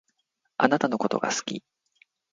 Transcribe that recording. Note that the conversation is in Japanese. あなたのことが好き